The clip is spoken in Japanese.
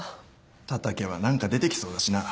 たたけば何か出てきそうだしな。